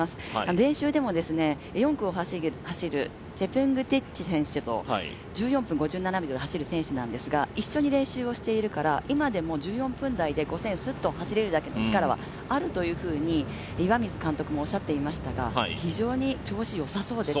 練習でも４区を走るジェプングティチ選手と１４分５７秒で選手なんですが、一緒に練習をしているので今でも１４分台ですっと走れるだけの力はあるというふうに岩水監督もおっしゃっていましたが、非常に調子よさそうです。